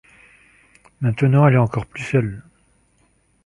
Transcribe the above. Maintenant elle est encore plus seule.